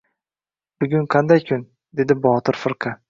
— Bugun qanday kun? —dedi Botir firqa.